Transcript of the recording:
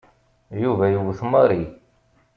Yuba yewwet Mary.